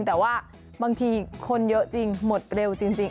แต่ว่าบางทีคนเยอะจริงหมดเร็วจริง